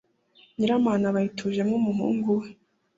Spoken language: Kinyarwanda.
nyiramana aba ayitujemo umuhungu we